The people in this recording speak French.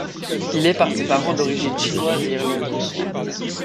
Il est par ses parents d'origine chinoise et irlandaise.